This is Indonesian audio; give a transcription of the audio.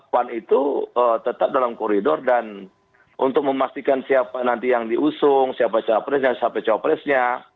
pan itu tetap dalam koridor dan untuk memastikan siapa nanti yang diusung siapa capresnya siapa cawapresnya